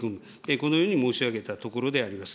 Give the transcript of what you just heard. このように申し上げたところであります。